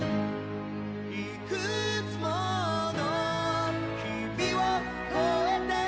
「いくつもの日々を越えて」